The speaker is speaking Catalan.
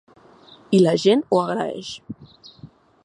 I la gent ho agraeix.